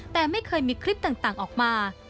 แต่ไม่เคยมีคลิปต่างออกมา